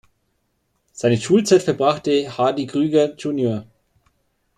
Seine Schulzeit verbrachte Hardy Krüger jr.